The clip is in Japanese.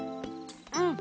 うん！